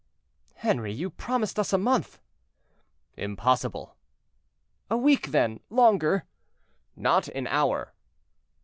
"' "Henri, you promised us a month." "Impossible." "A week, then, longer." "Not an hour."